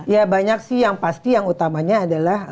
ya banyak sih yang pasti yang utamanya adalah